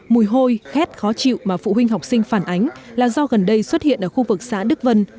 mùi hôi khét khó chịu mà phụ huynh học sinh phản ánh là do gần đây xuất hiện ở khu vực xã đức vân